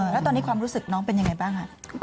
แล้วตอนนี้ความรู้สึกน้องเป็นยังไงบ้างคะ